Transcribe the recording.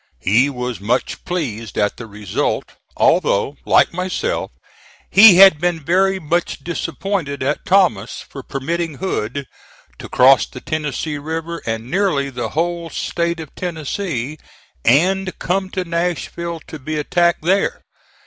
He was much pleased at the result, although, like myself, he had been very much disappointed at Thomas for permitting Hood to cross the Tennessee River and nearly the whole State of Tennessee, and come to Nashville to be attacked there.